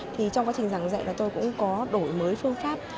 thì trong quá trình giảng dạy là tôi cũng có đổi mới phương pháp